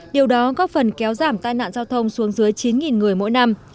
điều đó góp phần kéo giảm tai nạn giao thông xuống dưới chín người mỗi năm